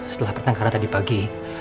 setelah pertangkaran tadi pagi